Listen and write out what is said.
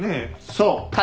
そう！